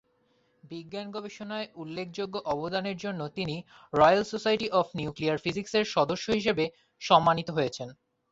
বিজ্ঞানগবেষণায় উল্লেখযোগ্য অবদানের জন্য তিনি 'Royal Society of Nuclear Physics' এর সদস্য হিসাবে সম্মানিত হয়েছেন।